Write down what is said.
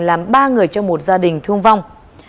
làm ba người trong một gia đình thương vong